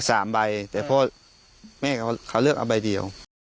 สามใบแต่พ่อแม่เขาเขาเลือกเอาใบเดียว